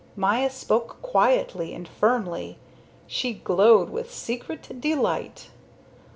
Maya spoke quietly and firmly; she glowed with secret delight.